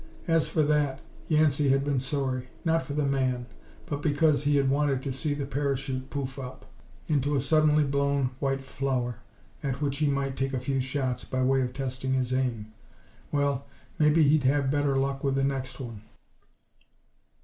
As for that, Yancey had been sorry; not for the man, but because he had wanted to see the parachute poof op! into a suddenly blown white flower at which he might take a few shots by way of testing his aim. Well, maybe he'd have better luck with the next one.